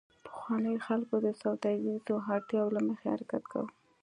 پخوانیو خلکو د سوداګریزو اړتیاوو له مخې حرکت کاوه